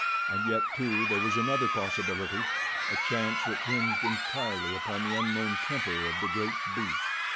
And yet, too, there was another possibility—a chance which hinged entirely upon the unknown temper of the great beast.